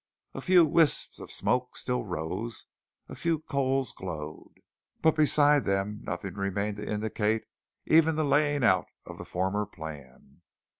A few wisps of smoke still rose, a few coals glowed, but beside them nothing remained to indicate even the laying out of the former plan.